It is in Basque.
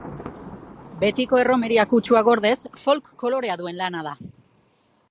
Betiko erromeria kutsua gordez, folk kolorea duen lana da.